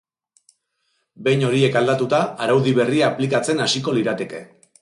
Behin horiek aldatuta, araudi berria aplikatzen hasiko lirateke.